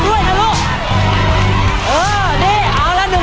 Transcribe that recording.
ดูแล้วนะฮะ